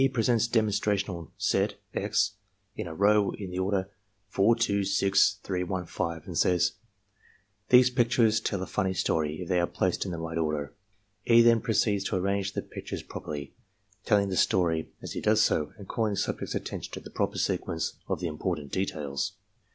presents demonstrational set (x) in a row in the order 4 — 2 — 6 — 3 — 1 — 5 and says: ^^ These pictures tell a funny story if they are placed in the right order,'* E. then pro ceeds to arrange the pictures properly, telling the story as he does so, and calling subject's attention to the proper sequence of the important details.